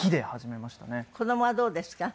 子供はどうですか？